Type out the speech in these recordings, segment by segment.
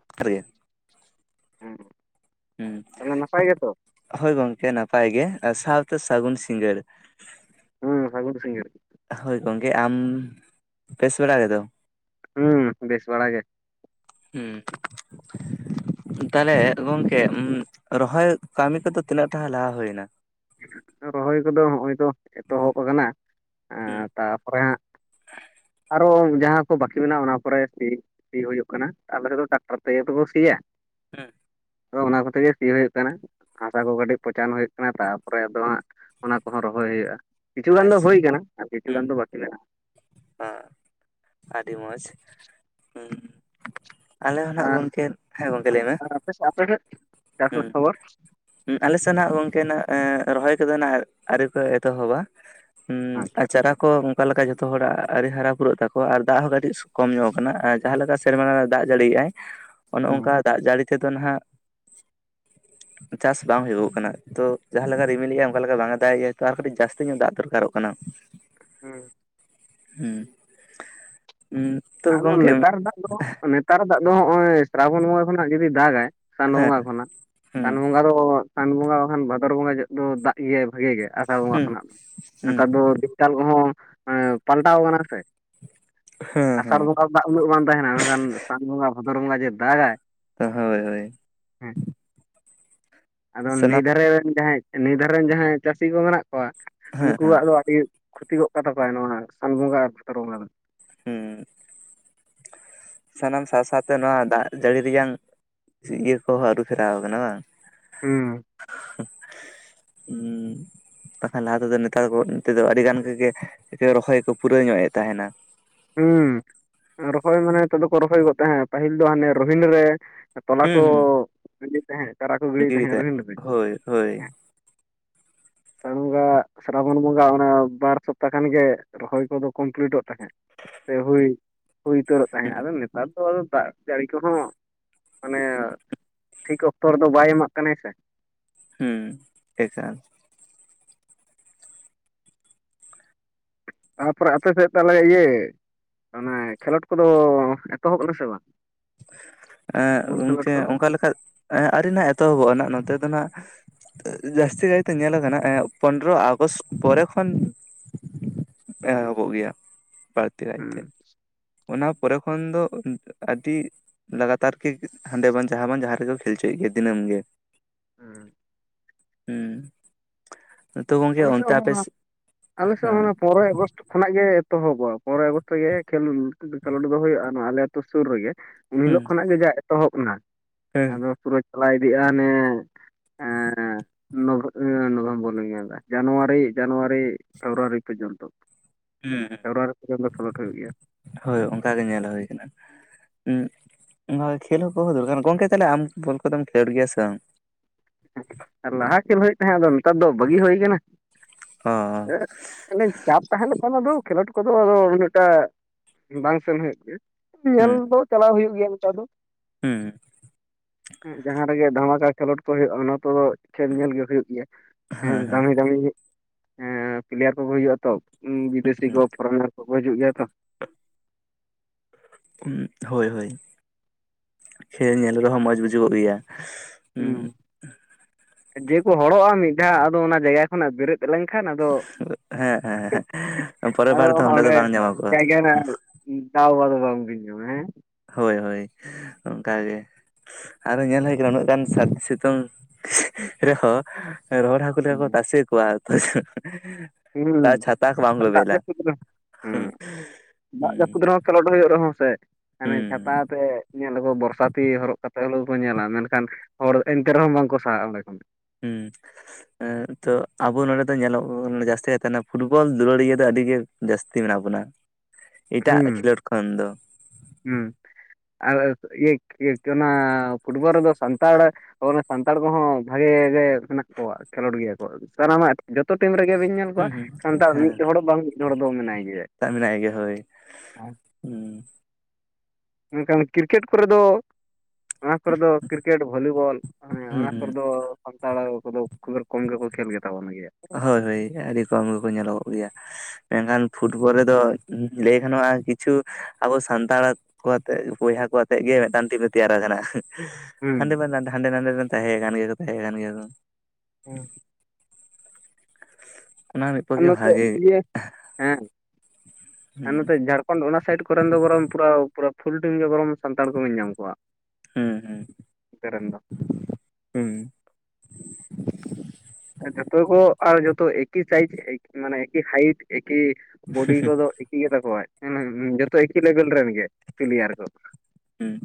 [inaudible] ᱦᱮᱸ ᱦᱩᱸ ᱛᱟᱦᱚᱞᱮ ᱱᱟᱯᱟᱭ ᱜᱮᱛᱚ ᱦᱳᱭ ᱜᱚᱝᱠᱮ ᱱᱟᱯᱟᱭ ᱜᱮ ᱥᱟᱨᱛᱮ ᱥᱟᱹᱜᱩᱱ ᱥᱤᱸᱜᱟᱹᱲ᱾ ᱦᱩᱸ ᱥᱟᱹᱜᱩᱱ ᱥᱤᱜᱟᱹᱲ᱾ ᱦᱳᱭ ᱜᱚᱝᱠᱮ ᱟᱢ ᱵᱮᱥ ᱵᱟᱲᱟ ᱜᱮᱛᱚ? ᱦᱩᱸ ᱵᱮᱥ ᱵᱟᱲᱟᱜᱮ᱾ ᱦᱩᱸ [inaudible] [inaudible] ᱛᱟᱦᱞᱮ ᱜᱚᱝᱠᱮ ᱩᱸ ᱨᱚᱦᱚᱭ ᱠᱟᱹᱢᱤ ᱠᱚᱫᱚ ᱛᱤᱱᱟᱹᱜ ᱴᱟ ᱞᱟᱦᱟ ᱦᱩᱭᱱᱟ? ᱨᱚᱦᱚᱭ ᱠᱚᱫᱚ ᱦᱚᱸᱜᱼᱚᱭ ᱛᱚ ᱮᱛᱚᱦᱚᱵ ᱟᱠᱟᱱᱟ ᱦᱩᱸ ᱛᱟᱯᱚᱨᱮ ᱦᱟᱸᱜ- ᱟᱨᱦᱚᱸ ᱡᱟᱸᱦᱟ ᱠᱚ ᱵᱟᱹᱠᱤ ᱢᱮᱱᱟᱜᱼᱟ ᱚᱱᱟ ᱠᱚᱨᱮ ᱥᱤ ᱥᱤ ᱦᱩᱭᱩᱜ ᱠᱟᱱᱟ ᱟᱞᱮ ᱥᱮᱫ ᱫᱚ ᱴᱟᱠᱴᱟᱨ ᱛᱮᱜᱮ ᱛᱚᱠᱚ ᱥᱤᱭᱟ᱾ ᱦᱩᱸ, ᱟᱫᱚ ᱚᱱᱟ ᱠᱚᱛᱮ ᱜᱮ ᱥᱤ ᱦᱳᱭᱳᱜ ᱠᱟᱱᱟ ᱦᱟᱥᱟ ᱠᱚ ᱠᱟᱹᱴᱤᱡ ᱯᱚᱪᱟᱱ ᱦᱳᱭᱳᱜ ᱠᱟᱱᱟ ᱛᱟᱨ ᱯᱚᱨᱮ ᱟᱫᱚ ᱦᱟᱸᱜ ᱚᱱᱟ ᱠᱚᱦᱚᱸ ᱨᱚᱦᱚᱭ ᱦᱩᱭᱩᱜᱼᱟ ᱠᱤᱪᱷᱩ ᱜᱟᱱ ᱫᱚ ᱟᱪᱪᱷᱟ ᱦᱳᱭ ᱠᱟᱱᱟ ᱟᱨ ᱠᱤᱪᱷᱩ ᱦᱩᱸ ᱜᱟᱱ ᱫᱚ ᱵᱟᱠᱤ ᱢᱮᱱᱟᱜᱼᱟ᱾ [inaudible] ᱟᱹᱰᱤ ᱢᱚᱡᱽ [inaudible] ᱟᱞᱮ ᱦᱚᱸᱱᱟᱜ ᱟᱨ ᱜᱚᱝᱠᱮ ᱦᱮᱸ ᱜᱚᱝᱠᱮ ᱞᱟᱹᱭ ᱢᱮ? [unintelligible] ᱪᱟᱥ ᱨᱮᱱᱟᱜ ᱠᱷᱚᱵᱚᱨ? ᱩᱸ ᱟᱞᱮᱥᱮᱱ ᱱᱟᱜ ᱜᱚᱝᱠᱮᱱᱟᱜ ᱮ ᱨᱚᱦᱚᱭ ᱠᱚᱫᱚ ᱱᱟᱜ ᱟᱹᱣᱨᱤ ᱠᱚ ᱮᱛᱚᱦᱚᱵᱟ ᱾ ᱦᱩᱸ ᱟᱪᱪᱷᱟ ᱟᱨ ᱪᱟᱨᱟ ᱠᱚ ᱚᱝᱠᱟ ᱞᱮᱠᱟ ᱡᱷᱚᱛᱚ ᱦᱚᱲᱟᱜ ᱟᱹᱨᱤ ᱦᱟᱨᱟ ᱯᱩᱨᱟᱹᱜ ᱛᱟᱠᱚᱣᱟ ᱟᱨ ᱫᱟᱜ ᱦᱚᱸ ᱠᱟᱹᱴᱤᱡ ᱠᱚᱢ ᱧᱚᱜ ᱠᱟᱱᱟ ᱟᱨ ᱡᱟᱦᱟᱸ ᱞᱮᱠᱟ ᱥᱮᱨᱢᱟ ᱨᱮ ᱫᱟᱜ ᱡᱟᱹᱲᱤᱭ ᱟᱭ ᱚᱱᱚ ᱦᱮᱸ ᱚᱝᱠᱟ ᱫᱟᱜ ᱡᱟᱹᱲᱤ ᱛᱮᱫᱚ ᱱᱟᱦᱟᱜ ᱪᱟᱥ ᱵᱟᱝ ᱦᱳᱭᱳᱜᱚᱜ ᱠᱟᱱᱟ ᱾ ᱛᱚ ᱡᱟᱦᱟᱸ ᱞᱮᱠᱟ ᱨᱤᱢᱤᱞᱮᱻᱟ ᱚᱱᱝᱠᱟ ᱞᱮᱠᱟ ᱵᱟᱝ ᱮ ᱫᱟᱜᱮᱜᱼᱟ ᱛᱚ ᱟᱨ ᱠᱟᱹᱴᱤᱡ ᱡᱟᱹᱥᱛᱤ ᱧᱚᱜ ᱫᱟᱜ ᱫᱚᱨᱠᱟᱨᱚᱜ ᱠᱟᱱᱟ ᱾ [inaudible] ᱦᱩᱸ ᱩᱸ ᱟᱫᱚ ᱱᱮᱛᱟᱨ ᱫᱟᱜ ᱫᱚ ᱚᱱᱮ ᱠᱟᱨ ᱫᱟᱜ ᱫᱚ ᱦᱚᱜᱼᱚᱭ ᱥᱨᱟᱵᱚᱱ ᱵᱚᱸᱜᱟ ᱠᱷᱚᱱᱟᱜ ᱡᱩᱫᱤ ᱫᱟᱜᱟᱭ ᱥᱟᱱ ᱦᱮᱸ ᱵᱚᱸᱜᱟ ᱠᱷᱚᱱᱟᱜ ᱦᱩᱸ ᱥᱟᱱ ᱵᱚᱸᱜᱟ ᱫᱚ ᱾ ᱥᱟᱱ ᱵᱚᱸᱜᱟ ᱵᱟᱠᱷᱟᱱ ᱵᱷᱟᱫᱚᱨ ᱵᱚᱸᱜᱟ ᱡᱚᱜ ᱫᱚ ᱫᱟᱜ ᱜᱮᱭᱟᱭ ᱵᱷᱟᱜᱤ ᱜᱮ ᱟᱥᱟᱲ ᱵᱚᱸᱜᱟ ᱦᱩᱸ ᱠᱷᱚᱱᱟᱜ ᱦᱩᱸ ᱱᱮᱛᱟᱨ ᱫᱚ ᱾ ᱪᱟᱞ ᱠᱚᱦᱚᱸ [inaudible] ᱯᱟᱞᱴᱟᱣ ᱠᱟᱱᱟ ᱥᱮ ᱾ ᱦᱮᱸ ᱟᱥᱟᱲ ᱦᱮᱸ ᱵᱚᱸᱜᱟ ᱫᱟᱜ ᱩᱱᱟᱹᱜ ᱵᱟᱝ ᱛᱟᱦᱮᱱᱟ ᱢᱮᱱᱠᱷᱟᱱ ᱥᱟᱱ ᱵᱚᱸᱜᱟ ᱵᱷᱟᱫᱚᱨ ᱵᱚᱸᱜᱟ ᱡᱮ ᱫᱟᱜᱟᱭ ᱾ ᱛᱚ ᱦᱳᱭ ᱦᱳᱭ, ᱦᱩᱸ ᱟᱫᱚ ᱱᱟᱹᱭ ᱥᱟᱱᱟᱢ ᱫᱷᱟᱨᱮ ᱨᱮᱱ ᱡᱟᱦᱟᱸᱭ ᱱᱟᱹᱭ ᱫᱷᱟᱨᱮ ᱨᱮᱱ ᱡᱟᱦᱟᱸᱭ ᱪᱟᱹᱥᱤ ᱠᱚ ᱢᱮᱱᱟᱜ ᱠᱚᱣᱟ ᱦᱮᱸ ᱦᱮᱸ ᱩᱱᱠᱩᱣᱟᱜ ᱫᱚ ᱟᱹᱰᱤ ᱠᱷᱚᱛᱤ ᱜᱚᱫ ᱠᱟᱛᱟ ᱠᱚᱣᱟ ᱱᱚᱣᱟ ᱥᱟᱱ ᱵᱚᱸᱜᱟ ᱟᱨ ᱵᱷᱟᱫᱚᱨ ᱵᱚᱸᱜᱟ ᱫᱚ ᱾ ᱦᱩᱸ ᱥᱟᱱᱟᱢ ᱥᱟ ᱥᱟᱛᱮ ᱱᱚᱣᱟ ᱫᱟᱜ ᱡᱟᱹᱲᱤ ᱨᱮᱭᱟᱝ ᱤᱭᱟᱹ ᱠᱚᱦᱚᱸ ᱟᱹᱨᱩᱯᱷᱮᱨᱟᱣ ᱠᱟᱱᱟ ᱵᱟᱝ ᱾ ᱦᱩᱸ [inaudible] ᱦᱩᱸ ᱵᱟᱠᱷᱟᱱ ᱞᱟᱦᱟ ᱛᱮᱫᱚ ᱱᱮᱛᱟᱨ [unintelligible] ᱟᱹᱰᱤ ᱜᱟᱱ ᱜᱮ ᱜᱮ ᱨᱚᱦᱚᱭ ᱠᱚ ᱯᱩᱨᱟᱹᱣ ᱧᱚᱜ ᱮᱡ ᱛᱟᱦᱮᱱᱟ ᱾ ᱦᱩᱸ ᱨᱚᱦᱚᱭ ᱢᱟᱱᱮ ᱱᱤᱛᱚᱜ ᱫᱚᱠᱚ ᱨᱚᱦᱚᱭ ᱜᱚᱫ ᱛᱟᱦᱮᱸᱫ ᱯᱟᱹᱦᱤᱞ ᱫᱚ ᱦᱟᱱᱮ ᱨᱳᱦᱤᱱ ᱨᱮ ᱛᱚᱞᱟ ᱠᱚ ᱜᱤᱰᱤ ᱛᱟᱦᱮᱱ ᱾ ᱜᱤᱨᱤ ᱛᱮ ᱦᱳᱭ ᱦᱳᱭ᱾ ᱟᱥᱟᱲ ᱵᱚᱸᱜᱟ ᱥᱨᱟᱵᱚᱱ ᱵᱚᱸᱜᱟ ᱚᱱᱟ ᱵᱟᱨ ᱥᱚᱯᱛᱟᱦ ᱠᱷᱟᱱ ᱜᱮ ᱨᱚᱦᱚᱭ ᱠᱚᱫᱚ ᱠᱚᱢᱯᱞᱤᱴᱚᱜ ᱛᱟᱦᱮᱸᱫ᱾ ᱥᱮ ᱦᱩᱭ ᱦᱩᱭ ᱩᱛᱟᱹᱨᱚᱜ ᱛᱟᱦᱮᱸᱫ ᱦᱩᱸ ᱟᱫᱚ ᱱᱮᱛᱟᱨ ᱫᱚ ᱫᱟᱜ ᱡᱟᱹᱲᱤ ᱠᱚᱦᱚᱸ ᱢᱟᱱᱮ ᱴᱷᱤᱠ ᱚᱠᱛᱚ ᱨᱮᱫᱚ ᱵᱟᱭ ᱮᱢᱟᱜ ᱠᱟᱱᱟᱭ ᱥᱮ, ᱦᱩᱸ ᱮᱠᱟᱞ᱾ ᱛᱟᱯᱚᱨᱮ ᱟᱯᱮ ᱥᱮᱫ ᱛᱟᱦᱚᱞᱮ ᱤᱭᱟᱹ ᱚᱱᱟ ᱠᱷᱮᱞᱳᱰ ᱠᱚᱫᱚ ᱮᱛᱚᱦᱚᱵ ᱱᱟ ᱥᱮ ᱵᱟᱝ? ᱮᱸᱜ ᱵᱚᱞ ᱠᱷᱮᱞᱳᱰ ᱜᱚᱝᱠᱮ ᱠᱚ ᱚᱱᱠᱟᱞᱮᱠᱟ ᱟᱹᱣᱨᱤ ᱱᱟᱸᱜ ᱮᱛᱚᱦᱚᱵᱚᱜᱼᱟ ᱱᱟᱸᱜ ᱱᱚᱛᱮ ᱫᱚ ᱱᱟᱸᱜ ᱡᱟᱹᱥᱛᱤ ᱠᱟᱭᱛᱮ ᱧᱮᱞᱟ ᱠᱟᱱᱟ ᱯᱚᱱᱨᱚ ᱟᱜᱚᱥᱴ ᱯᱚᱨᱮ ᱠᱷᱚᱱ ᱮᱦᱚᱵᱚᱜ ᱜᱮᱭᱟ [inaudible] ᱛᱮᱟᱭᱛᱮ ᱦᱩᱸ ᱚᱱᱟ ᱯᱚᱨᱮ ᱠᱷᱚᱱ ᱫᱚ ᱟᱹᱰᱤ ᱞᱟᱜᱟᱛᱟᱨ ᱠᱤ ᱦᱟᱸᱰᱮ ᱵᱟᱝ ᱡᱟᱦᱟᱸ ᱵᱟᱝ ᱡᱟᱦᱟᱸ ᱨᱮᱠᱚ ᱠᱷᱮᱞᱪᱚᱭᱮᱫ ᱜᱮᱭᱟ ᱫᱤᱱᱟᱹᱢ ᱜᱮ᱾ ᱦᱩᱸ᱾ ᱦᱮᱸ᱾ ᱟᱞᱮ ᱥᱮᱫ ᱦᱚᱸ ᱟ ᱟᱞᱮᱥᱮᱫ ᱦᱚᱸ ᱦᱮᱸ ᱚᱱᱟ ᱯᱚᱱᱨᱚᱭ ᱟᱜᱚᱥᱴ ᱠᱷᱚᱱᱟᱜ ᱜᱮ ᱮᱛᱚᱦᱚᱵᱚᱜᱼᱟ ᱯᱚᱱᱮᱨᱚᱭ ᱟᱜᱚᱥᱴᱚ ᱠᱷᱚᱡ ᱜᱮ ᱠᱷᱮᱞ ᱠᱷᱮᱞᱳᱰ ᱫᱚ ᱦᱩᱭᱩᱜᱼᱟ ᱟᱞᱮ ᱟᱹᱛᱩᱳ ᱥᱩᱨ ᱨᱮᱜᱮ, ᱛᱚ ᱩᱱ ᱦᱩᱸ ᱦᱤᱞᱳᱜ ᱠᱷᱚᱱᱟᱜ ᱜᱮ ᱡᱟ ᱮᱛᱚᱦᱚᱵ ᱱᱟ ᱦᱮᱸ ᱟᱫᱚ ᱯᱩᱨᱟᱹᱭ ᱪᱟᱞᱟᱣ ᱤᱫᱤᱜᱼᱟ ᱚᱱᱮ ᱮᱸ ᱱᱚᱵᱷᱮ ᱮᱸ ᱱᱚᱵᱷᱮᱢᱵᱚᱨ ᱞᱟᱭᱟᱫᱟ ᱡᱟᱱᱣᱟᱨᱤ ᱡᱟᱱᱩᱣᱟᱨᱤ ᱯᱷᱮᱵᱽᱨᱩᱣᱟᱨᱤ ᱯᱚᱨᱡᱚᱱᱛᱚ ᱦᱩᱸ ᱯᱷᱮᱵᱽᱨᱣᱟᱨᱤ ᱯᱚᱨᱡᱚᱱᱛᱚ ᱠᱷᱮᱞᱳᱴ ᱦᱩᱭᱩᱜ ᱜᱮᱭᱟ᱾ ᱦᱳᱭ ᱚᱱᱠᱟ ᱜᱮ ᱧᱮᱞ ᱦᱩᱭ ᱠᱟᱱᱟ᱾ ᱩᱸᱜ ᱠᱷᱮᱞ ᱦᱚᱸᱠᱚ ᱫᱚᱨᱠᱟᱨ ᱜᱚᱝᱠᱮ ᱛᱟᱦᱚᱞᱮ ᱟᱢ ᱵᱚᱞ ᱠᱚᱫᱚᱢ ᱠᱷᱮᱞᱳᱰ ᱜᱮᱭᱟ ᱥᱮ ᱵᱟᱝ? ᱞᱟᱦᱟ ᱠᱷᱮᱞ ᱦᱩᱭᱩᱜ ᱛᱟᱦᱮᱸᱫ ᱟᱫᱚ ᱱᱮᱛᱟᱨ ᱫᱚ ᱵᱟᱹᱜᱤ ᱦᱩᱭ ᱠᱟᱱᱟ᱾ ᱚᱸ᱾ ᱮ ᱪᱟᱯ ᱛᱟᱦᱮᱸᱱᱠᱷᱟᱱ ᱚᱱᱟᱫᱚ ᱠᱷᱮᱞᱳᱰ ᱠᱚᱫᱚ ᱩᱱᱟᱹᱜᱴᱟ ᱵᱟᱝ ᱥᱮᱱ ᱦᱩᱭᱩᱜ ᱜᱮᱭᱟ᱾ ᱦᱩᱸ ᱧᱮᱞ ᱫᱚ ᱪᱟᱞᱟᱣ ᱦᱩᱭᱩᱜ ᱜᱮᱭᱟ ᱱᱮᱛᱟᱨ ᱫᱚ᱾ ᱦᱩᱸ᱾ ᱮᱸᱜ ᱡᱟᱦᱟᱸ ᱨᱮᱜᱮ ᱫᱷᱟᱢᱟᱠᱟ ᱠᱷᱮᱞᱳᱰ ᱠᱚ ᱦᱩᱭᱩᱜᱼᱟ ᱚᱱᱟ ᱠᱚᱫᱚ ᱠᱷᱮᱞ ᱧᱮᱞ ᱜᱮ ᱦᱩᱭᱩᱜ ᱜᱮᱭᱟ᱾ ᱦᱮᱸ ᱫᱟᱹᱢᱤ ᱫᱟᱹᱢᱤ ᱮᱸ ᱯᱞᱮᱭᱟᱨ ᱠᱚᱠᱚ ᱦᱤᱡᱩᱜᱼᱟ ᱛᱚ ᱵᱤᱫᱮᱥᱤ ᱠᱚ ᱯᱷᱚᱨᱱᱟᱨ ᱠᱚ ᱦᱤᱡᱩᱜ ᱜᱮᱭᱟ ᱛᱚ᱾ ᱩᱸ ᱦᱳᱭ ᱦᱳᱭ ᱠᱷᱮᱞ ᱧᱮᱞ ᱨᱮᱦᱚᱸ ᱢᱚᱸᱡᱽ ᱵᱩᱡᱩᱜᱚᱜ ᱜᱮᱭᱟ᱾ ᱦᱩᱸ᱾ ᱡᱮᱠᱚ ᱦᱚᱲᱚᱜᱼᱟ ᱢᱤᱫ ᱫᱷᱟᱣ ᱟᱫᱚ ᱚᱱᱟ ᱡᱟᱭᱜᱟ ᱠᱷᱚᱱᱟᱜ ᱵᱮᱨᱮᱫ ᱞᱮᱱᱠᱷᱟᱱ ᱟᱫᱚ ᱦᱮᱸ ᱦᱮᱸ ᱯᱚᱨᱮ ᱵᱟᱨ ᱟᱫᱚ ᱫᱚ ᱚᱸᱰᱮ ᱫᱚ ᱵᱟᱝ ᱧᱟᱢᱚᱜᱼᱟ᱾ ᱡᱟᱭᱜᱟ ᱨᱮᱱᱟᱜ ᱫᱟᱣ ᱟᱫᱚ ᱵᱟᱝ ᱵᱤᱱ ᱧᱟᱢᱟ ᱦᱮᱸ? ᱦᱳᱭ ᱦᱳᱭ ᱚᱝᱠᱟ ᱜᱮ᱾ ᱟᱨᱚ ᱧᱮᱞ ᱦᱩᱭ ᱠᱟᱱᱟ ᱩᱱᱟᱹᱜ ᱜᱟᱱ ᱥᱟᱹᱨᱫᱤ ᱥᱤᱛᱩᱝ ᱨᱮᱦᱚᱸ ᱨᱚᱦᱚᱲ ᱦᱟᱠᱩᱞᱠᱭᱟ ᱠᱚ ᱦᱮᱸ ᱛᱟᱥᱮ ᱠᱚᱣᱟ ᱛᱚ ᱦᱩᱸ ᱛᱟᱣ ᱪᱷᱟᱛᱟ ᱠᱚ ᱵᱟᱢ ᱫᱟᱜ ᱵᱮᱞᱟ ᱡᱟᱹᱯᱩᱫ ᱨᱮ ᱦᱩᱸ ᱫᱟᱜ ᱡᱟᱹᱯᱩᱫ ᱨᱮᱦᱚᱸ ᱠᱷᱮᱞᱳᱰ ᱦᱩᱭᱩᱜ ᱨᱮᱦᱚᱸ ᱥᱮ ᱢᱟᱱᱮ ᱡᱷᱟᱯ ᱪᱷᱟᱛᱟ ᱦᱩᱸ ᱛᱮ ᱧᱮᱞ ᱟᱠᱚ ᱵᱚᱨ ᱥᱟᱛᱷᱤ ᱦᱚᱨᱚᱜ ᱠᱟᱛᱮᱫ ᱦᱚᱞᱮᱭᱚ ᱠᱚ ᱧᱮᱞᱟ ᱢᱮᱱᱠᱷᱟᱱ ᱦᱚᱲ ᱮᱱᱛᱮ ᱨᱮᱦᱚᱸ ᱵᱟᱝ ᱠᱚ ᱥᱟᱦᱟᱜ ᱚᱰᱮᱸ ᱠᱷᱚᱱ᱾ ᱦᱩᱸ᱾ ᱦᱮᱸ ᱛᱚ ᱟᱵᱚ ᱱᱚᱸᱰᱮ ᱫᱚ ᱧᱮᱞᱚᱜ ᱠᱟᱱᱟ ᱡᱟᱹᱥᱛᱤ ᱟᱛᱮᱜ ᱛᱟᱦᱮᱸᱱᱟ ᱯᱷᱩᱴᱵᱚᱞ ᱫᱩᱞᱟᱹᱲᱤᱭᱟᱹ ᱫᱚ ᱟᱹᱰᱤ ᱜᱮ ᱡᱟᱹᱥᱛᱤ ᱢᱮᱱᱟᱜ ᱵᱚᱱᱟ ᱮᱴᱟᱜ ᱦᱩᱸ ᱠᱷᱮᱞᱳᱰ ᱠᱷᱚᱱ ᱫᱚ᱾ ᱦᱩᱸ ᱟᱨ [unintelligible] ᱚᱱᱟ ᱯᱷᱩᱴᱵᱚᱞ ᱨᱮᱫᱚ ᱥᱟᱱᱛᱟᱲ ᱟᱵᱚ ᱚᱱᱟ ᱥᱟᱱᱛᱟᱲ ᱠᱚᱦᱚᱸ ᱵᱷᱟᱜᱮ ᱜᱮ ᱦᱮᱸᱱᱟᱜ ᱠᱚᱣᱟ ᱠᱷᱮᱞᱳᱰ ᱜᱮᱭᱟ ᱠᱚ ᱥᱟᱱᱟᱢᱟᱜ ᱡᱚᱛᱚ ᱴᱤᱢ ᱨᱮᱜᱮ ᱵᱤᱱ ᱧᱮᱞ ᱠᱚᱣᱟ ᱦᱩᱸ ᱦᱩᱸ ᱥᱟᱱᱛᱟᱲ ᱢᱤᱫ ᱦᱚᱲ ᱵᱟᱝ ᱢᱤᱫ ᱦᱚᱲ ᱫᱚ ᱢᱮᱱᱟᱭ ᱜᱮᱭᱟᱭ ᱾ ᱛᱟᱜ ᱢᱮᱱᱟᱭ ᱜᱮᱭᱟ ᱦᱳᱭ᱾ ᱟᱨ ᱦᱮᱸ ᱢᱮᱱᱠᱷᱟᱱ ᱠᱨᱤᱠᱮᱴ ᱠᱚᱨᱮ ᱫᱚ ᱚᱱᱟ ᱠᱚᱨᱮ ᱫᱚ ᱠᱨᱤᱠᱮᱴ ᱵᱷᱚᱞᱤᱵᱚᱞ ᱚᱱᱟ ᱠᱚᱨᱮ ᱦᱩᱸ ᱫᱚ ᱛᱟᱲ ᱠᱚᱫᱚ ᱠᱷᱩᱵᱮᱨ ᱠᱚᱢ ᱜᱮᱠᱚ ᱠᱷᱮᱞ ᱜᱮᱛᱟ ᱵᱚᱱ ᱜᱮᱭᱟ᱾ ᱦᱳᱭ ᱦᱳᱭ ᱟᱹᱰᱤ ᱠᱚᱢ ᱜᱮᱠᱚ ᱧᱮᱞᱚᱜᱚᱜ ᱜᱮᱭᱟ᱾ ᱢᱮᱱᱠᱷᱟᱱ ᱯᱷᱩᱴᱵᱚᱞ ᱨᱮᱫᱚ ᱞᱟᱹᱭ ᱜᱟᱱᱚᱜᱼᱟ ᱠᱤᱪᱷᱩ ᱟᱵᱚ ᱥᱟᱱᱛᱟᱲ ᱠᱚ ᱟᱛᱮᱜ ᱵᱚᱭᱦᱟ ᱠᱚ ᱟᱛᱮᱜ ᱜᱮ ᱢᱤᱫᱴᱟᱝ ᱴᱤᱢ ᱛᱮᱭᱟᱨ ᱟᱠᱟᱱᱟ᱾ ᱦᱟᱸᱰᱮ ᱦᱩᱸ ᱵᱟ ᱦᱟᱸᱰᱮ ᱱᱟᱰᱮ ᱨᱮᱱ ᱛᱟᱦᱮ ᱜᱟᱱ ᱜᱮᱭᱟᱠᱚ ᱛᱟᱦᱮ ᱜᱟᱱ ᱜᱮᱭᱟᱠᱚ᱾ ᱦᱮᱸ᱾ ᱚᱱᱟ ᱢᱤᱫ ᱟᱨ ᱯᱚᱠᱠᱷᱮ ᱱᱚᱛᱮ ᱵᱷᱟᱜᱮ ᱤᱭᱟᱹ ᱦᱮᱸ ᱟᱨ ᱦᱩᱸ ᱱᱚᱛᱮ ᱡᱷᱟᱲᱠᱷ ᱡᱷᱟᱨᱠᱷᱚᱱ ᱚᱱᱟ ᱥᱟᱭᱤᱰ ᱠᱚᱨᱮᱱ ᱫᱚ ᱵᱚᱨᱚᱝ ᱯᱩᱨᱟᱹ ᱯᱷᱩᱞ ᱴᱤᱢ ᱜᱮ ᱵᱚᱨᱚᱢ ᱥᱟᱱᱛᱟᱲ ᱠᱚᱵᱮᱱ ᱧᱟᱢ ᱠᱚᱣᱟ᱾ ᱦᱩᱸ ᱦᱩᱸ ᱚᱱᱛᱮ ᱨᱮᱱ ᱫᱚ ᱦᱩᱸ᱾ ᱡᱚᱛᱚ ᱠᱚ ᱟᱨ ᱡᱚᱛᱚ ᱮᱠᱤ ᱥᱟᱭᱤᱡ ᱢᱟᱱᱮ ᱮᱠᱤ ᱦᱟᱭᱤᱴ ᱮᱠᱤ ᱵᱚᱰᱤ ᱠᱚᱫᱚ ᱜᱮ ᱛᱟᱠᱚᱣᱟ ᱦᱮᱸ ᱡᱚᱛᱚ ᱮᱠᱤ ᱞᱮᱵᱮᱞ ᱨᱮᱱ ᱜᱮ ᱯᱤᱞᱤᱭᱟᱨ ᱠᱚ᱾ ᱦᱩᱸ᱾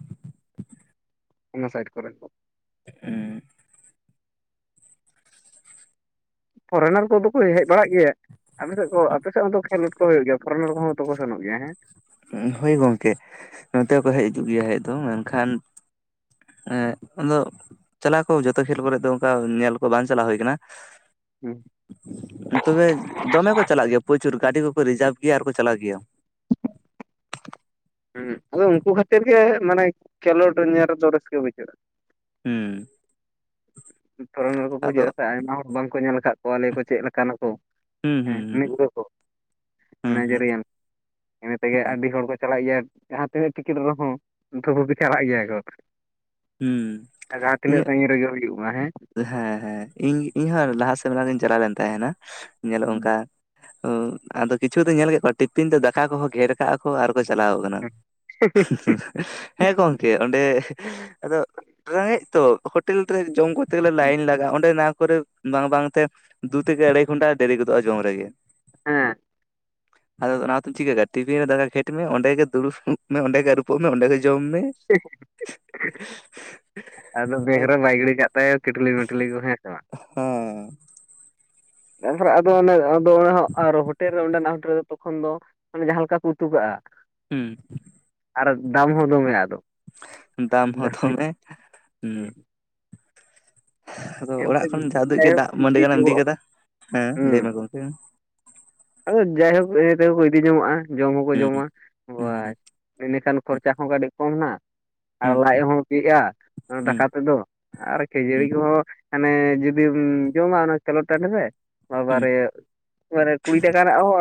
ᱚᱱᱟ ᱥᱟᱭᱤᱰ ᱠᱚᱨᱮ ᱫᱚ᱾ ᱦᱩᱸ᱾ ᱯᱷᱚᱨᱮᱱᱟᱨ ᱠᱚᱫᱚ ᱠᱚ ᱦᱮᱡ ᱵᱟᱲᱟᱜ ᱜᱮᱭᱟ᱾ ᱟᱯᱮ ᱥᱮᱫ ᱠᱚ ᱟᱯᱮ ᱥᱮᱫ ᱦᱚᱸ ᱫᱚ ᱠᱷᱮᱞᱳᱰ ᱠᱚ ᱦᱩᱭᱩᱜ ᱜᱮᱭᱟ ᱯᱷᱚᱨᱮᱨ ᱠᱚᱦᱚᱸ ᱛᱚᱠᱚ ᱥᱮᱱᱚᱜ ᱜᱮᱭᱟ ᱦᱮᱸ? ᱦᱳᱭ ᱜᱚᱝᱠᱮ ᱱᱚᱛᱮ ᱦᱚᱸᱠᱚ ᱦᱮᱡ ᱦᱤᱡᱩᱜ ᱜᱮᱭᱟ ᱦᱮᱡ ᱫᱚ ᱢᱮᱱᱠᱷᱟᱱ ᱮᱜ ᱟᱫᱚ ᱪᱟᱞᱟᱣ ᱠᱚ ᱡᱚᱛᱚ ᱠᱷᱮᱞ ᱠᱚᱨᱮᱜ ᱫᱚ ᱚᱱᱠᱟ ᱧᱮᱞ ᱠᱚ ᱵᱟᱝ ᱪᱟᱞᱟᱣ ᱦᱩᱭ ᱠᱟᱱᱟ᱾ ᱦᱮᱸ᱾ ᱛᱚᱵᱮ ᱫᱚᱢᱮ ᱠᱚ ᱪᱟᱞᱟᱜ ᱜᱮᱭᱟ ᱯᱨᱚᱪᱩᱨ ᱜᱟᱹᱰᱤ ᱠᱚᱠᱚ ᱨᱤᱡᱟᱨᱵᱷ ᱜᱮᱭᱟ ᱟᱨᱠᱚ ᱪᱟᱞᱟᱜ ᱜᱮᱭᱟ᱾ ᱦᱮᱸ ᱟᱫᱚ ᱩᱱᱠᱩ ᱠᱷᱟᱹᱛᱤᱨ ᱜᱮ ᱢᱟᱱᱮ ᱠᱷᱮᱞᱳᱰ ᱧᱮᱞ ᱨᱮᱫᱚ ᱨᱟᱹᱥᱠᱟᱹ ᱵᱩᱡᱷᱟᱹᱜᱼᱟ᱾ ᱦᱩᱸ᱾ ᱯᱷᱚᱨᱮᱱᱟᱨ ᱠᱚᱠᱚ ᱟᱫᱚ ᱦᱤᱡᱩᱜᱼᱟ ᱥᱮ ᱟᱭᱢᱟ ᱦᱚᱲ ᱵᱟᱝᱠᱚ ᱧᱮᱞ ᱟᱠᱟᱫ ᱠᱚᱣᱟ ᱟᱞᱮ ᱠᱚ ᱪᱮᱫ ᱞᱮᱠᱟᱱᱟ ᱠᱚ? ᱦᱩᱸ ᱦᱩᱸ᱾ ᱦᱩᱸ [inaudible] ᱦᱩᱸ ᱦᱩᱸ ᱱᱟᱭᱡᱮᱨᱤᱭᱟᱱ᱾ ᱤᱱᱟᱹ ᱛᱮᱜᱮ ᱟᱹᱰᱤ ᱦᱚᱲ ᱠᱚ ᱪᱟᱞᱟᱜ ᱜᱮᱭᱟ ᱡᱟᱦᱟᱸ ᱛᱤᱱᱟᱹᱜ ᱴᱤᱠᱤᱴ ᱨᱮ ᱦᱚᱸ᱾ [unintelligible] ᱪᱟᱞᱟᱜ ᱜᱮᱭᱟ ᱠᱚ ᱦᱩᱸ ᱡᱟᱦᱟᱸ ᱤᱧᱟᱹᱜ ᱛᱤᱱᱟᱹᱜ ᱥᱟᱺᱜᱤᱧ ᱨᱮᱜᱮ ᱦᱩᱭᱩᱜ ᱢᱟ ᱦᱮᱸ᱾ ᱦᱮᱸ ᱦᱮᱸ ᱤᱧ ᱤᱧᱦᱚᱸ ᱞᱟᱦᱟ ᱥᱮᱨᱢᱟ ᱨᱤᱧ ᱪᱟᱞᱟᱣ ᱞᱮᱱ ᱛᱟᱦᱮᱱᱟ ᱧᱮᱞᱚᱜ ᱚᱱᱠᱟ᱾ ᱚ ᱟᱫᱚ ᱠᱤᱪᱷᱩ ᱫᱚ ᱧᱮᱞ ᱠᱮᱫ ᱠᱚᱣᱟ ᱴᱤᱯᱤᱱ ᱛᱮ ᱫᱟᱠᱟ ᱠᱚᱦᱚᱸ ᱜᱷᱮᱨ ᱠᱟᱜ ᱟᱠᱚ ᱟᱨ ᱠᱚ ᱪᱟᱞᱟᱣ ᱠᱟᱱᱟ᱾ ᱦᱮᱸ ᱜᱚᱝᱠᱮ ᱚᱸᱰᱮ ᱟᱫᱚ ᱨᱮᱸᱜᱮᱡ ᱛᱚ ᱦᱳᱴᱮᱞ ᱨᱮ ᱡᱚᱢ ᱠᱚ ᱛᱮ ᱜᱮᱞᱮ ᱞᱟᱭᱤᱱ ᱞᱟᱜᱟᱜᱼᱟ ᱚᱸᱰᱮ ᱚᱱᱟ ᱠᱚᱨᱮ ᱵᱟᱝ ᱵᱟᱝᱛᱮ ᱫᱩ ᱛᱷᱮᱠᱮ ᱟᱹᱲᱟᱹᱭ ᱜᱷᱚᱱᱴᱟ ᱫᱮᱨᱤ ᱜᱚᱫᱚᱜᱼᱟ ᱡᱚᱢ ᱨᱮᱜᱮ᱾ ᱦᱮᱸ᱾ ᱟᱫᱚ ᱚᱱᱟ ᱦᱚᱛᱮᱫ ᱪᱤᱠᱟᱹ ᱠᱟ ᱴᱤᱯᱷᱤᱱ ᱨᱮ ᱫᱟᱠᱟ ᱜᱷᱮᱴ ᱢᱮ ᱚᱸᱰᱮ ᱜᱮ ᱫᱩᱲᱩᱵ ᱢᱮ ᱚᱸᱰᱮ ᱜᱮ ᱟᱨᱩᱵᱚᱜ ᱢᱮ ᱚᱸᱰᱮ ᱜᱮ ᱡᱚᱢ ᱢᱮ ᱟᱫᱚ ᱵᱮᱜ ᱨᱮ ᱵᱟᱭ ᱜᱤᱲᱤ ᱠᱟᱜ ᱛᱟᱭ ᱠᱮᱴᱞᱤ ᱢᱮᱴᱞᱤ ᱠᱚ ᱦᱮᱸ ᱥᱮ ᱵᱟᱝ ᱾ [unintelligible] ᱛᱟᱯᱚᱨᱮ ᱟᱫᱚ ᱚᱱᱮ ᱟᱫᱚ ᱚᱱᱟ ᱦᱳᱴᱮᱞ ᱨᱮ ᱚᱸᱰᱮᱱᱟᱜ ᱦᱳᱴᱮᱞ ᱨᱮ ᱫᱚ ᱛᱚᱠᱷᱚᱱ ᱫᱚ ᱢᱟᱱᱮ ᱡᱟᱦᱟᱸ ᱞᱮᱠᱟ ᱠᱚ ᱩᱛᱩ ᱠᱟᱜᱼᱟ᱾ ᱦᱮᱸ ᱟᱨ ᱫᱟᱢ ᱦᱚᱸ ᱫᱚᱢᱮ ᱟᱫᱚ ᱾ ᱫᱟᱢ ᱦᱚᱸ ᱛᱚᱢᱮ ᱩᱸ ᱦᱩᱸ ᱟᱫᱚ ᱮᱱᱛᱮ ᱚᱲᱟᱜ ᱠᱷᱚᱱ ᱡᱟ ᱩᱫᱟᱹᱜ ᱜᱮ ᱡᱟᱭᱦᱳᱠ ᱫᱟᱜ ᱢᱟᱹᱰᱤ ᱜᱟᱱ ᱮᱢ ᱡᱚ ᱤᱫᱤ ᱠᱟᱫᱟ ᱾ ᱦᱮᱸ ᱞᱟᱹᱭ ᱢᱮ ᱦᱩᱸ ᱜᱚᱝᱠᱮ ᱟᱫᱚ ᱡᱟᱭᱦᱳᱠ ᱫᱟᱹᱭ ᱛᱟᱠᱚ ᱠᱚ ᱤᱫᱤ ᱡᱚᱝᱚᱜᱼᱟ ᱡᱚᱢ ᱦᱚᱸᱠᱚ ᱦᱩᱸ ᱡᱚᱢᱟ ᱵᱟ ᱦᱩᱸ ᱤᱱᱟᱹ ᱠᱷᱟᱱ ᱠᱷᱚᱨᱪᱟ ᱠᱚ ᱠᱟᱹᱴᱤᱡ ᱠᱚᱢ ᱮᱱᱟ ᱟᱨ ᱦᱩᱸ ᱞᱟᱡ ᱦᱚᱸ ᱵᱤᱜᱼᱟ ᱦᱩᱸ ᱫᱟᱠᱟ ᱛᱮᱫᱚ ᱾ ᱟᱨ ᱠᱷᱮᱡᱟᱹᱲᱤ ᱦᱩᱸ ᱠᱚᱦᱚ ᱢᱟᱱᱮ ᱡᱚᱫᱤᱢ ᱡᱚᱢᱟ ᱚᱱᱟ ᱠᱷᱮᱞᱚᱴ ᱴᱟᱺᱰᱤ ᱨᱮ ᱾ ᱵᱟᱵᱟ ᱦᱩᱸ ᱨᱮ ᱢᱟᱱᱮ ᱠᱩᱲᱤ ᱴᱟᱠᱟ ᱨᱮᱱᱟᱜ ᱦᱳ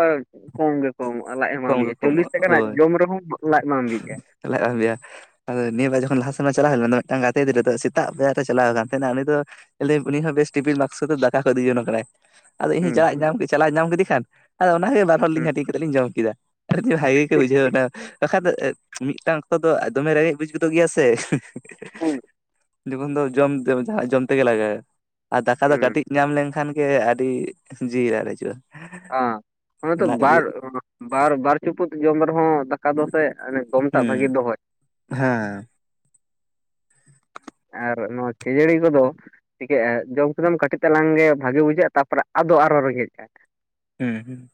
ᱠᱚᱢ ᱜᱮ ᱠᱚ ᱮᱢᱚᱜ-ᱟ ᱞᱟᱡ ᱦᱚᱸ ᱵᱟᱝ ᱠᱚᱢ ᱜᱮ ᱵᱤᱜᱼᱟ ᱠᱚᱢᱚᱜ ᱪᱚᱞᱞᱤᱥ ᱴᱟᱠᱟ ᱨᱮᱱᱟᱜ ᱡᱚᱢ ᱨᱮ ᱦᱚᱸ ᱞᱟᱡ ᱵᱟᱝ ᱵᱤᱜᱼᱟ ᱾ ᱛᱟᱦᱚᱞᱮ [unintelligible] ᱟᱫᱚ ᱱᱤᱭᱟᱹ ᱵᱟᱨ ᱡᱚᱠᱷᱚᱱ ᱞᱟᱦᱟ ᱥᱮᱨᱢᱟ ᱪᱟᱞᱟᱣ ᱦᱳᱭ ᱞᱮᱱᱟ ᱢᱤᱫ ᱴᱟᱱ ᱜᱟᱛᱮ ᱜᱤᱫᱽᱨᱟᱹ ᱫᱚ ᱥᱮᱛᱟᱜ ᱯᱟᱭᱨᱟ ᱨᱮ ᱪᱟᱞᱟᱣ ᱛᱟᱦᱮᱸ ᱛᱟᱦᱮᱱᱟ ᱩᱱᱤ ᱫᱚ ᱟᱹᱞᱤᱧ ᱩᱱᱤ ᱦᱚᱸ ᱵᱮᱥ ᱴᱤᱯᱷᱤᱱ ᱵᱟᱠᱥᱚ ᱛᱮ ᱫᱟᱠᱟ ᱠᱚ ᱤᱫᱤ ᱡᱚᱱᱚᱜ ᱠᱟᱱᱟᱭ ᱾ ᱟᱫᱚ ᱤᱧ ᱦᱚᱸ ᱦᱩᱸ ᱪᱟᱞᱟᱜ ᱮ ᱧᱟᱢ ᱪᱟᱞᱟᱣ ᱧᱟᱢ ᱠᱮᱫᱮ ᱠᱷᱟᱱ ᱟᱫᱚ ᱚᱱᱟᱜᱮ ᱵᱟᱨ ᱦᱚᱲ ᱞᱤᱧ ᱦᱩᱸ ᱦᱟᱹᱴᱤᱧ ᱠᱟᱛᱮ ᱞᱤᱧ ᱡᱚᱢ ᱠᱮᱫᱟ ᱾ ᱟᱨ ᱵᱷᱟᱜᱮ ᱜᱮ ᱵᱩᱡᱟᱹᱣ ᱮᱱᱟ ᱵᱟᱠᱷᱟᱱ ᱫᱚ ᱢᱤᱫ ᱴᱟᱝ ᱚᱠᱛᱚ ᱫᱚ ᱮ ᱫᱚᱢᱮ ᱨᱮᱸᱜᱮᱡ ᱵᱩᱡᱽ ᱜᱚᱫᱚᱜ ᱜᱮᱭᱟ ᱥᱮ ᱾ ᱦᱩᱸ ᱡᱮᱢᱚᱱ ᱫᱚ ᱡᱚᱢ ᱛᱮ ᱡᱟᱦᱟᱸ ᱡᱚᱢ ᱛᱮᱜᱮ ᱞᱟᱜᱟᱜ-ᱟ ᱟᱨ ᱫᱟᱠᱟ ᱫᱚ ᱦᱩᱸ ᱠᱟᱹᱴᱤᱡ ᱧᱟᱢ ᱞᱮᱱᱠᱷᱟᱱ ᱜᱮ ᱟᱹᱰᱤ ᱡᱤᱣᱤ ᱨᱟᱲᱮᱡᱚᱜ-ᱟ ᱾ ᱟᱸ ᱦᱚᱸᱛᱚ ᱵᱟᱨ ᱵᱟᱨ ᱵᱟᱨ ᱪᱩᱯᱩᱫ ᱡᱚᱢ ᱨᱮ ᱦᱚᱸ ᱫᱟᱠᱟ ᱫᱚ ᱥᱮ ᱟᱱᱮ ᱫᱚᱢ ᱴᱟᱜ ᱦᱩᱸ ᱵᱷᱟᱜᱤᱭ ᱫᱚᱦᱚᱭ ᱾ ᱦᱮᱸ ᱟᱨ ᱱᱚᱣᱟ ᱠᱷᱮᱡᱟᱹᱲᱤ ᱠᱚ ᱫᱚ ᱪᱤᱠᱟᱹᱜᱼᱟ ᱡᱚᱢ ᱠᱮᱫᱟᱢ ᱠᱟᱹᱴᱤᱡ ᱛᱟᱞᱟᱝ ᱜᱮ ᱵᱷᱟᱹᱜᱤ ᱵᱩᱡᱷᱟᱹᱜᱼᱟ ᱛᱟᱨᱯᱚᱨᱮ ᱟᱫᱚ ᱟᱨ ᱦᱚᱸ ᱨᱮᱸᱜᱮᱡᱼᱟ ᱾ ᱦᱩᱸ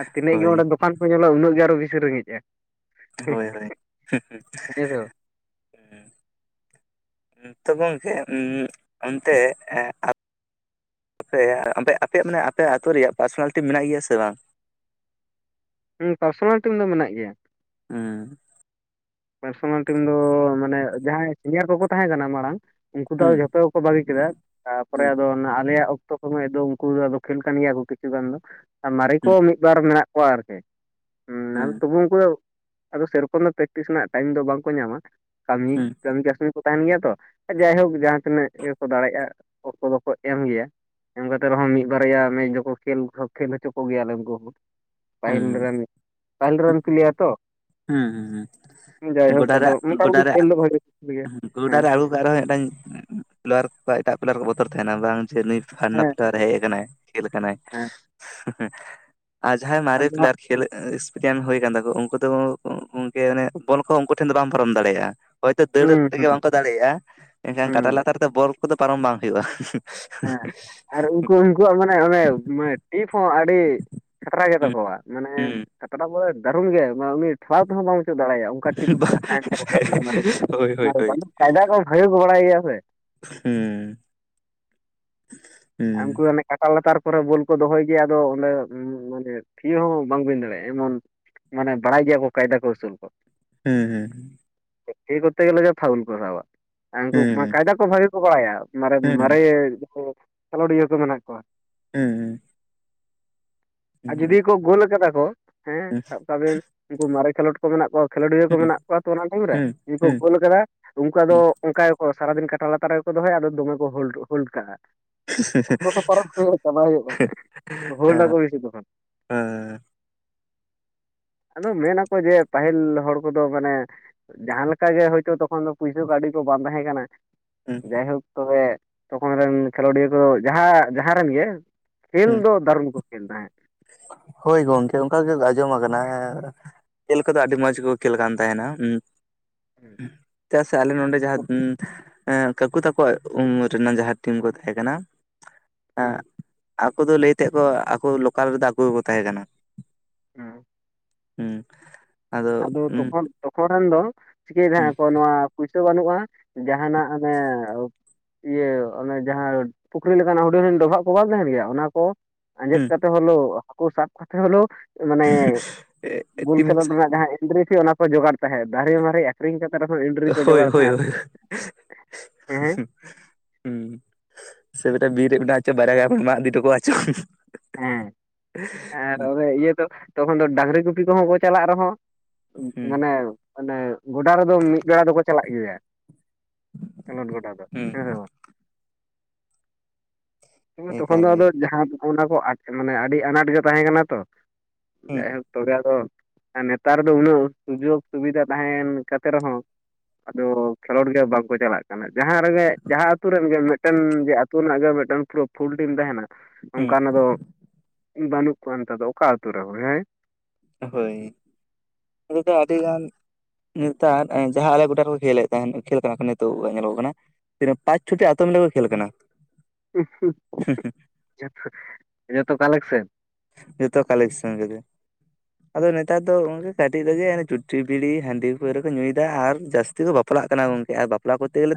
ᱟᱨ ᱛᱤᱱᱟᱹᱜ ᱜᱮ ᱦᱳᱭ ᱚᱸᱰᱮ ᱫᱚᱠᱟᱱ ᱠᱩ ᱧᱮᱞᱚᱜ ᱩᱱᱟᱹᱜ ᱜᱮ ᱟᱨ ᱵᱮᱥᱤ ᱨᱮᱸᱜᱮᱡᱼᱟ ᱾ ᱦᱳᱭ ᱦᱳᱭ ᱦᱮᱸ ᱥᱮ ᱾ ᱛᱚ ᱜᱚᱝᱠᱮ ᱩᱸ ᱚᱱᱛᱮ ᱮᱸ ᱟ ᱟᱯᱮ ᱟᱯᱮᱭᱟᱜ ᱟᱯᱮᱭᱟᱜ ᱢᱟᱱᱮ ᱟᱯᱮ ᱟᱹᱛᱩ ᱨᱮᱭᱟᱜ ᱯᱟᱨᱥᱚᱱᱟ ᱞᱤᱴᱤ ᱢᱮᱱᱟᱜ ᱜᱮᱭᱟ ᱥᱮ ᱵᱟᱝ ᱾ ᱦᱩᱸ ᱯᱟᱨᱥᱚᱱᱟ ᱞᱤᱴᱤᱢ ᱫᱚ ᱢᱮᱱᱟᱜ ᱜᱮᱭᱟ ᱾ ᱦᱮᱸ ᱯᱟᱨᱥᱚᱱᱟᱞ ᱴᱤᱢ ᱫᱚ ᱢᱟᱱᱮ ᱡᱟᱦᱟᱸᱭ ᱥᱤᱱᱤᱭᱟᱨ ᱠᱚᱠᱚ ᱛᱟᱦᱮᱸ ᱠᱟᱱᱟ ᱢᱟᱲᱟᱝ ᱩᱱᱠᱩ ᱫᱚ ᱦᱩᱸ ᱡᱷᱚᱛᱚ ᱠᱚ ᱵᱟᱹᱜᱤ ᱠᱮᱫᱟ ᱛᱟᱯᱚᱨᱮ ᱦᱩᱸ ᱟᱫᱚ ᱚᱱᱟ ᱟᱞᱮᱭᱟᱜ ᱚᱠᱛᱚ ᱥᱚᱢᱚᱭ ᱫᱚ ᱩᱱᱠᱩ ᱫᱚ ᱟᱫᱚ ᱠᱷᱮᱞ ᱠᱟᱱ ᱜᱮᱭᱟ ᱠᱚ ᱠᱤᱪᱷᱩ ᱜᱟᱱ ᱫᱚ ᱟᱨ ᱢᱟᱨᱮ ᱠᱚ ᱢᱤᱫ ᱵᱟᱨ ᱢᱮᱱᱟᱜ ᱠᱚᱣᱟ ᱟᱨᱠᱤ ᱮᱸ ᱱᱮᱞ ᱦᱩᱸ ᱛᱚᱵᱩ ᱩᱱᱠᱩ ᱫᱚ ᱟᱫᱚ ᱥᱮᱨᱚᱠᱚᱢ ᱫᱚ ᱯᱮᱠ ᱴᱤᱥ ᱨᱮᱱᱟᱜ ᱴᱟᱭᱤᱢ ᱫᱚ ᱵᱟᱝᱠᱚ ᱧᱟᱢᱟ ᱠᱟᱹᱢᱤ ᱦᱩᱸ ᱠᱟᱹᱢᱤ ᱠᱟᱹᱥᱱᱤ ᱩᱱᱠᱩ ᱠᱚ ᱛᱟᱦᱮᱱ ᱜᱮᱭᱟ ᱛᱚ ᱡᱟᱭᱦᱳᱠ ᱡᱟᱦᱟᱸ ᱛᱤᱱᱟᱹᱜ ᱜᱮᱠᱚ ᱫᱟᱲᱮᱭᱟᱜᱼᱟ ᱚᱠᱛᱚ ᱫᱚᱠᱚ ᱮᱢ ᱜᱮᱭᱟ ᱾ ᱮᱢ ᱠᱟᱛᱮ ᱨᱮᱦᱚᱸ ᱢᱤᱫ ᱵᱟᱨᱭᱟ ᱢᱤᱫᱡᱚᱠᱷᱚ ᱠᱷᱮᱞ ᱠᱷᱮᱞ ᱦᱚᱪᱚ ᱠᱚᱜᱮᱭᱟᱞᱮ ᱩᱱᱠᱩ ᱠᱚ ᱾ ᱯᱟᱦᱤᱞ ᱦᱩᱸ ᱨᱮᱱ ᱯᱟᱦᱤᱞ ᱨᱮᱱ ᱯᱤᱞᱭᱟᱨ ᱛᱚ᱾ ᱦᱩᱸ ᱦᱩᱸ ᱦᱩᱸ ᱡᱟᱭᱦᱳᱠ ᱜᱚᱰᱟ ᱨᱮ ᱟᱫᱚ ᱜᱚᱰᱟ ᱢᱚᱴᱟᱢᱩᱴᱤ ᱨᱮ ᱠᱷᱮᱞ ᱫᱚ ᱵᱷᱟᱜᱮ ᱠᱚ ᱠᱷᱮᱞ ᱜᱮᱭᱟ ᱜᱚᱰᱟ ᱦᱮᱸ ᱨᱮ ᱟᱲ [unintelligible] ᱨᱮᱦᱚᱸ ᱢᱤᱫᱴᱟᱝ ᱯᱞᱤᱭᱟᱨ ᱠᱚᱠᱚ ᱮᱴᱟᱜ ᱯᱞᱟᱨ ᱠᱚ ᱵᱚᱛᱚᱨ ᱛᱟᱦᱮᱱᱟ ᱵᱟᱝ ᱡᱮ ᱱᱩᱭ ᱯᱟᱞᱱᱟ ᱦᱮᱸ ᱯᱞᱟᱨ ᱮ ᱦᱮᱡ ᱟᱠᱟᱱᱟᱭ᱾ ᱠᱷᱮᱞ ᱠᱟᱱᱟᱭ ᱦᱮᱸ ᱟᱨ ᱡᱟᱦᱟᱸᱭ ᱢᱟᱨᱮ ᱟᱫᱚ ᱯᱞᱟᱨ ᱦᱟᱸᱜ ᱠᱷᱮᱞ ᱮᱠᱥᱯᱮᱨᱤᱭᱮᱱᱥ ᱦᱩᱭ ᱟᱠᱟᱱ ᱛᱟᱠᱚᱣᱟ ᱩᱱᱠᱩ ᱫᱚ ᱜᱚᱝᱠᱮ ᱵᱚᱞ ᱠᱚ ᱩᱱᱠᱩ ᱴᱷᱮᱱ ᱫᱚ ᱵᱟᱢ ᱯᱟᱨᱚᱢ ᱫᱟᱲᱮᱭᱟᱜᱼᱟ᱾ ᱦᱳᱭᱛᱳ ᱫᱟᱹᱲ ᱦᱩᱸ ᱛᱮᱜᱮ ᱦᱩᱸ ᱵᱟᱝᱠᱚ ᱫᱟᱲᱮᱭᱟᱜᱼᱟ ᱮᱱᱠᱷᱟᱱ ᱠᱟᱴᱟ ᱦᱩᱸ ᱞᱟᱛᱟᱨ ᱛᱮᱫᱚ ᱵᱚᱞ ᱠᱚᱫᱚ ᱯᱟᱨᱚᱢ ᱵᱟᱝ ᱦᱩᱭᱩᱜᱼᱟ᱾ ᱦᱮᱸ ᱟᱨ ᱩᱱᱠᱩ ᱩᱱᱠᱩᱣᱟᱜ ᱢᱟᱱᱮ ᱚᱱᱮ ᱢᱟᱱᱮ ᱴᱤᱯ ᱦᱚᱸ ᱟᱹᱰᱤ ᱠᱷᱟᱛᱨᱟ ᱜᱮᱛᱟ ᱦᱩᱸ ᱠᱚᱣᱟ᱾ ᱢᱟᱱᱮ ᱦᱩᱸ ᱠᱷᱟᱛᱨᱟ ᱵᱚᱞᱮ ᱫᱟᱨᱩᱱ ᱜᱮ ᱩᱱᱤ ᱴᱷᱟᱞᱟᱣ ᱛᱮᱦᱚᱸ ᱵᱟᱢ ᱴᱷᱤᱠᱟᱹ ᱫᱟᱲᱮᱭᱟᱜᱼᱟ, ᱚᱸᱠᱟ ᱴᱤᱠ ᱛᱟᱦᱮᱸᱱ ᱠᱚ ᱦᱳᱭ ᱦᱳᱭ [unintelligible] ᱠᱟᱭᱫᱟ ᱠᱚ ᱵᱷᱟᱹᱜᱮ ᱠᱚ ᱵᱟᱲᱟᱭ ᱜᱮᱭᱟ ᱥᱮ᱾ ᱦᱮᱸ, [inaudible] ᱟᱸ ᱩᱱᱠᱩ ᱚᱱᱮ ᱠᱟᱴᱟ ᱞᱟᱛᱟᱨ ᱠᱚᱨᱮ ᱵᱳᱞ ᱠᱚ ᱫᱚᱦᱚᱭ ᱜᱮᱭᱟ ᱟᱫᱚ ᱚᱸᱰᱮ ᱢᱟᱱᱮ ᱛᱷᱤᱭᱟᱹ ᱦᱚᱸ ᱵᱟᱝ ᱵᱤᱱ ᱫᱟᱲᱮᱜᱼᱟ ᱮᱢᱚᱱ ᱢᱟᱱᱮ ᱵᱟᱲᱟᱭ ᱜᱮᱭᱟ ᱠᱚ ᱠᱟᱭᱫᱟ ᱠᱚ ᱟᱹᱥᱩᱞ ᱠᱚ᱾ ᱦᱩᱸ ᱦᱩᱸ ᱦᱩᱸ᱾ ᱪᱮᱫ, ᱛᱷᱤᱭᱟᱹ ᱠᱚᱨᱛᱮ ᱜᱮ ᱞᱮ ᱯᱷᱟᱣᱩᱞ ᱠᱚ ᱥᱟᱵᱼᱟ, ᱟᱨ ᱩᱸᱠᱩ ᱯᱷᱟᱸ ᱦᱩᱸ ᱠᱟᱭᱫᱟ ᱠᱚ ᱵᱷᱟᱹᱜᱤ ᱠᱚ ᱵᱟᱲᱟᱭᱟ᱾ ᱢᱟᱨᱮᱫ ᱦᱩᱸ ᱢᱟᱨᱮ ᱠᱷᱮᱞᱳᱸᱰᱤᱭᱟᱹ ᱠᱚ ᱢᱮᱱᱟᱜ ᱠᱚᱣᱟ᱾ ᱦᱮᱸ ᱦᱩᱸ᱾ ᱟᱨ ᱦᱩᱸ ᱡᱩᱫᱤ ᱦᱩᱸ ᱠᱚ ᱜᱳᱞ ᱟᱠᱟᱫᱟ ᱠᱚ ᱦᱮᱸ, ᱦᱩᱸ ᱥᱟᱵ ᱠᱟᱜ ᱵᱤᱱ ᱩᱸᱠᱩ ᱢᱟᱨᱮ ᱠᱷᱮᱞᱳᱰ ᱠᱚ ᱢᱮᱱᱟᱜ ᱠᱚᱣᱟ ᱠᱷᱮᱞᱳᱰᱤᱭᱟᱹ ᱠᱚ ᱢᱮᱱᱟᱜ ᱠᱚᱣᱟ ᱛᱚ ᱚᱱᱟ ᱴᱤᱢ ᱨᱮ, ᱦᱩᱸ ᱩᱸᱠᱩ ᱦᱩᱸ ᱜᱳᱞ ᱟᱠᱟᱫᱟ ᱩᱸᱠᱩ ᱟᱫᱚ ᱚᱸᱠᱟ ᱜᱮᱠᱚ ᱥᱟᱨᱟᱫᱤᱱ ᱠᱟᱴᱟ ᱞᱟᱛᱟᱨ ᱨᱮᱜᱮ ᱠᱚ ᱫᱚᱦᱚᱭᱟ, ᱟᱫᱚ ᱫᱚᱢᱮ ᱠᱚ ᱦᱳᱞᱰ ᱦᱳᱞᱰ ᱠᱟᱜᱼᱟ᱾ ᱚᱠᱛᱚ ᱠᱚ ᱯᱟᱨᱚᱢ [unintelligible] ᱪᱟᱞᱟ ᱦᱩᱭᱩᱜ ᱠᱟᱱᱟ, ᱦᱚᱞᱰ ᱟᱠᱚ ᱵᱮᱥᱤ ᱫᱚ᱾ ᱦᱮᱸ ᱦᱮᱸ ᱻ ᱟᱫᱚ ᱢᱮᱱ ᱟᱠᱚ ᱡᱮ ᱯᱟᱹᱦᱤᱞ ᱦᱚᱲ ᱠᱚᱫᱚ ᱢᱟᱱᱮ ᱡᱟᱦᱟᱸ ᱞᱮᱠᱟ ᱜᱮ ᱦᱳᱭᱛᱳ ᱛᱚᱠᱷᱚᱱ ᱫᱚ ᱯᱩᱭᱥᱟᱹ ᱠᱟᱹᱣᱰᱤ ᱠᱚ ᱵᱟᱝ ᱛᱟᱦᱮᱸ ᱠᱟᱱᱟ, ᱦᱩᱸ ᱡᱟᱭᱦᱩᱠ ᱛᱚᱵᱮ ᱛᱚᱠᱷᱚᱱ ᱨᱮᱱ ᱠᱷᱮᱞᱳᱰᱤᱭᱟᱹ ᱠᱚ ᱡᱟᱦᱟ ᱡᱟᱦᱟᱸ ᱨᱮᱱ ᱜᱮ ᱠᱷᱮᱞ ᱦᱩᱸ ᱫᱚ ᱫᱷᱚᱨᱢ ᱠᱚ ᱠᱷᱮᱞ ᱛᱟᱦᱮᱸᱜ᱾ ᱦᱳᱭ ᱜᱚᱝᱠᱮ ᱚᱸᱠᱟ ᱜᱮᱫ ᱟᱸᱡᱚᱢ ᱟᱠᱟᱱᱟ ᱦᱮᱸ, ᱠᱷᱮᱞ ᱠᱚᱫᱚ ᱟᱹᱰᱤ ᱢᱚᱸᱡᱽ ᱜᱮᱠᱚ ᱠᱷᱮᱞ ᱠᱟᱱ ᱛᱟᱦᱮᱸᱱᱟ, ᱩᱸ [unintelligible] ᱪᱮᱫᱟᱜ ᱥᱮ ᱟᱞᱮ ᱱᱚᱰᱮ ᱡᱟᱦᱟᱸ, ᱩᱸ ᱮᱸ ᱠᱟᱹᱠᱩ ᱛᱟᱠᱚᱣᱟᱜ ᱩᱸᱻᱢᱮᱨ ᱨᱤᱱ ᱱᱟᱜ ᱡᱟᱦᱟᱸ ᱴᱤᱢ ᱠᱚ ᱛᱟᱦᱮᱸ ᱠᱟᱱᱟ, ᱮᱸ ᱟᱠᱚ ᱫᱚ ᱞᱟᱹᱭ ᱛᱟᱦᱮᱸᱜ ᱠᱚ ᱟᱠᱚ ᱞᱳᱠᱟᱞ ᱨᱮᱫᱚ ᱟᱠᱚ ᱜᱮᱠᱚ ᱛᱟᱦᱮᱸ ᱠᱟᱱᱟ᱾ ᱦᱩᱸ, ᱟᱫᱚ ᱛᱚᱠᱷᱚᱱ, ᱛᱚᱠᱷᱚᱱ ᱨᱮᱱ ᱫᱚ ᱪᱤᱠᱟᱹᱭᱮᱫᱟᱜ ᱦᱩᱸ ᱦᱟᱸᱜ ᱠᱚ ᱱᱚᱣᱟ ᱯᱩᱭᱥᱟᱹ ᱵᱟᱹᱱᱩᱜᱼᱟ ᱡᱟᱦᱟᱸᱱᱟᱜ ᱚᱱᱮᱻ ᱤᱭᱟᱹ ᱚᱱᱮ ᱡᱟᱦᱟᱸ ᱯᱩᱠᱷᱨᱤ ᱞᱮᱠᱟᱱᱟᱜ ᱦᱩᱰᱤᱧ ᱦᱩᱰᱤᱧ ᱰᱚᱵᱷᱟᱜ ᱠᱚ ᱵᱟᱝ ᱛᱟᱦᱮᱸᱱ ᱜᱮᱭᱟ, ᱚᱱᱟ ᱠᱚ ᱟᱸᱡᱮᱫ ᱦᱩᱸ ᱠᱟᱛᱮ ᱦᱳᱞᱳ, ᱦᱟᱹᱠᱩ ᱥᱟᱵ ᱠᱟᱛᱮ ᱦᱳᱞᱳ ᱢᱟᱱᱮ ᱜᱳᱞ ᱴᱤᱢ ᱠᱷᱮᱞᱳᱜ ᱫᱚ ᱱᱷᱟᱸᱜ ᱡᱟᱦᱟᱸ ᱮᱱᱴᱤᱨᱤ ᱥᱮ ᱚᱱᱟ ᱠᱚ ᱡᱳᱜᱟᱲ ᱛᱟᱦᱮᱸᱫ, ᱫᱷᱟᱨᱮ ᱢᱟᱨᱮᱜᱼᱟ᱾ ᱟᱹᱠᱷᱨᱤᱧ ᱠᱟᱛᱮ ᱨᱮᱦᱚᱸ ᱮᱱᱰᱨᱤ ᱠᱚ ᱦᱳᱭ ᱡᱚᱜᱟᱲ ᱦᱳᱭ ᱛᱟᱦᱮᱸᱫ ᱦᱳᱭ ᱟᱨᱠᱤ, ᱦᱮᱸ? ᱦᱩᱸ, ᱥᱮᱸᱫᱽᱨᱟ ᱵᱤᱨ ᱨᱮ ᱢᱮᱱᱟᱜ ᱦᱚᱪᱚ ᱵᱟᱨᱭᱟ ᱜᱟᱱ ᱦᱮᱸᱱᱟᱜ ᱤᱫᱤᱼᱟ ᱪᱚᱝ ᱦᱮᱸ᱾ [inaudible] ᱦᱮᱸᱨ ᱚᱨᱮ ᱤᱭᱟᱹ ᱫᱚ ᱛᱚᱠᱷᱚᱱ ᱫᱚ ᱰᱟᱺᱜᱽᱨᱤ ᱜᱩᱯᱤ ᱠᱚᱦᱚᱸ ᱠᱚ ᱪᱟᱞᱟᱜ ᱨᱮᱦᱚᱸ ᱩᱸᱵ ᱦᱩᱸ ᱢᱟᱱᱮ ᱚᱱᱮ ᱜᱚᱰᱟ ᱨᱮᱫᱚ ᱢᱤᱫ ᱵᱮᱲᱟ ᱫᱚᱠᱚ ᱪᱟᱞᱟᱜ ᱜᱮᱭᱟ, ᱠᱷᱮᱞᱳᱸᱰ ᱜᱚᱰᱟ ᱫᱚ ᱦᱩᱸ ᱦᱮᱸᱥᱮ ᱵᱟᱝ? ᱱᱤᱛᱚᱝ ᱫᱚ ᱛᱚᱠᱷᱚᱱ ᱮᱠᱟᱞ ᱫᱚ ᱜᱮ ᱟᱫᱚ ᱡᱟᱦᱟᱸ ᱚᱱᱟ ᱠᱚ ᱟᱡ ᱢᱟᱱᱮ ᱟᱹᱰᱤ ᱟᱱᱟᱴ ᱜᱮ ᱛᱟᱦᱮᱸ ᱠᱟᱱᱟ ᱛᱚ᱾ ᱦᱩᱸ ᱱᱮᱜᱼᱮ ᱛᱚᱡᱟ ᱫᱚ ᱟᱨ ᱱᱮᱛᱟᱨ ᱫᱚ ᱩᱱᱟᱹᱣ ᱥᱩᱡᱳᱜᱽ ᱥᱩᱵᱤᱫᱷᱟ ᱛᱟᱦᱮᱸᱱ ᱠᱟᱛᱮ ᱨᱮᱦᱚᱸ ᱟᱫᱚ ᱠᱷᱮᱞᱳᱰ ᱜᱮ ᱵᱟᱝᱠᱚ ᱪᱟᱞᱟᱜ ᱠᱟᱱᱟ, ᱡᱟᱦᱟᱸ ᱨᱮᱜᱮᱜ ᱡᱟᱦᱟᱸ ᱟᱹᱛᱩ ᱨᱮᱱ ᱜᱮ ᱢᱤᱫᱴᱮᱱ ᱜᱮ ᱟᱹᱛᱩ ᱨᱮᱱᱟᱜ ᱜᱮ ᱢᱤᱫᱴᱮᱱ ᱯᱩᱨᱟᱹ ᱯᱷᱩᱞ ᱴᱤᱢ ᱛᱟᱦᱮᱸᱱᱟ, ᱦᱩᱸ ᱚᱸᱠᱟ ᱱᱟᱜ ᱫᱚ ᱵᱟᱹᱱᱩᱜ ᱠᱚᱣᱟ ᱱᱮᱛᱟᱨ ᱫᱚ ᱚᱠᱟ ᱟᱹᱛᱩ ᱨᱮᱦᱚᱸ ᱦᱮᱸ, ᱦᱳᱭ, ᱱᱚᱰᱮ ᱫᱚ ᱟᱹᱰᱤ ᱜᱟᱱ ᱱᱮᱛᱟᱨ ᱮᱸ ᱡᱟᱦᱟᱸ ᱟᱞᱮ ᱜᱚᱰᱟ ᱨᱮᱠᱚ ᱠᱷᱮᱞ ᱞᱮᱫ ᱛᱟᱦᱮᱸᱱ ᱠᱷᱮᱞ ᱠᱟᱱᱟ ᱠᱚ ᱱᱤᱛᱚᱜᱼᱜᱚᱜᱼᱟᱜᱼᱟ ᱧᱮᱞᱳᱜ ᱠᱟᱱᱟ, ᱛᱤᱱᱟᱹᱜ ᱯᱟᱸᱪ ᱪᱷᱚ ᱴᱤ ᱟᱹᱛᱩ ᱢᱤᱞᱟᱹᱣ ᱠᱚ ᱠᱷᱮᱞ ᱠᱟᱱᱟ᱾ [inaudible] ᱡᱮᱦᱮᱛᱩ ᱡᱳᱛᱳ ᱡᱚᱛᱚ ᱠᱟᱞᱮᱠᱥᱮᱱ᱾ ᱡᱚᱛᱚ ᱠᱟᱞᱮᱠᱥᱚᱱ ᱨᱮᱜᱮ, ᱟᱫᱚ ᱱᱮᱛᱟᱨ ᱫᱚ ᱜᱚᱝᱠᱮ ᱠᱟᱹᱴᱤᱜ ᱨᱮᱜᱮ ᱚᱱᱮ ᱪᱩᱴᱤ ᱵᱤᱲᱤ ᱦᱟᱺᱰᱤ ᱯᱟᱹᱣᱨᱟᱹ ᱠᱚ ᱧᱩᱭᱫᱟ ᱟᱨ ᱡᱟᱹᱥ ᱛᱤ ᱠᱚ ᱵᱟᱯᱞᱟᱜ ᱠᱟᱱᱟ ᱜᱚᱝᱠᱮ ᱟᱨ ᱵᱟᱯᱞᱟ ᱠᱚᱛᱮ ᱞᱮ